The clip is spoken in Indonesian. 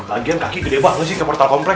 bagian kaki gede banget sih ke portal komplek